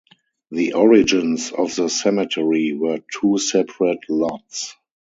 The origins of the cemetery were two separate lots.